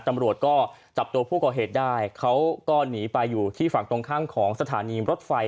ตำรวจก็จับตัวผู้ก่อเหตุได้เขาก็หนีไปอยู่ที่ฝั่งตรงข้ามของสถานีรถไฟ